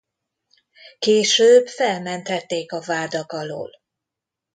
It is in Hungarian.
Később felmentették a vádak alól.